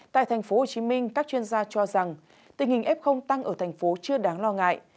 tại thành phố hồ chí minh các chuyên gia cho rằng tình hình f tăng ở thành phố chưa đáng lo ngại